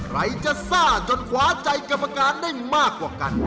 ใครจะซ่าจนขวาใจกรรมการได้มากกว่ากัน